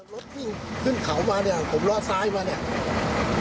รถขึ้นเขามาเนี่ยผมรอดซ้ายมาเนี่ย